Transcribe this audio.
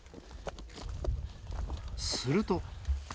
すると。